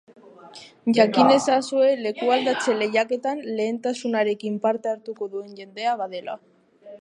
Jakin ezazue lekualdatze lehiaketan lehentasunarekin parte hartuko duen jendea badela.